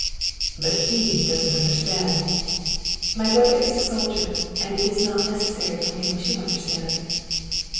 "But he doesn't understand " "My brother is a soldier and it is not necessary for him to understand."